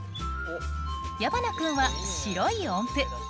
矢花君は白い音符。